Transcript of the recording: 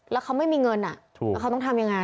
แล้วเขาไม่มีเงินแล้วเขาต้องทำยังไง